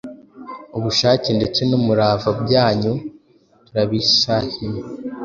ubushake ndetse n’umurava byanyu turabisahima,